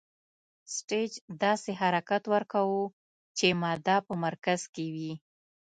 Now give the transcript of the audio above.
سټیج داسې حرکت ورکوو چې ماده په مرکز کې وي.